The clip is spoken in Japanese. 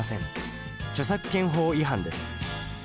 著作権法違反です。